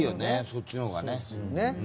そっちのほうが。